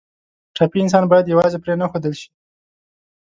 ټپي انسان باید یوازې پرېنښودل شي.